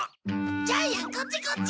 ジャイアンこっちこっち。